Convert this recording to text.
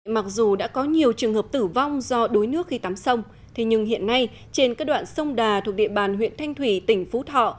mặc dù đã có nhiều trường hợp tử vong do đuối nước khi tắm sông thế nhưng hiện nay trên các đoạn sông đà thuộc địa bàn huyện thanh thủy tỉnh phú thọ